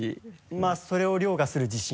まぁそれを凌駕する自信。